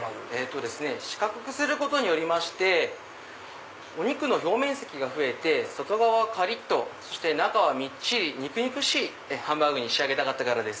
四角くすることによりましてお肉の表面積が増えて外側はカリっと中はみっちり肉々しいハンバーグに仕上げたかったからです。